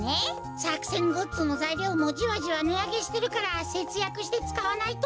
さくせんグッズのざいりょうもじわじわねあげしてるからせつやくしてつかわないとってか。